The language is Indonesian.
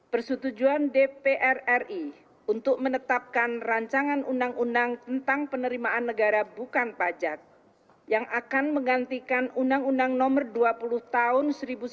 persetujuan dpr ri untuk menetapkan rancangan undang undang tentang penerimaan negara bukan pajak yang akan menggantikan undang undang nomor dua puluh tahun seribu sembilan ratus sembilan puluh